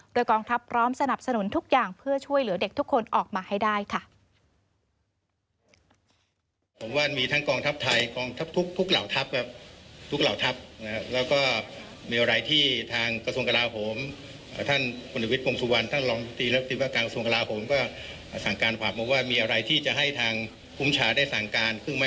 โดยกองทัพพร้อมสนับสนุนทุกอย่างเพื่อช่วยเหลือเด็กทุกคนออกมาให้ได้ค่ะ